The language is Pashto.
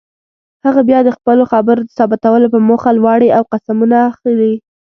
هغه بیا د خپلو خبرو د ثابتولو په موخه لوړې او قسمونه اخلي.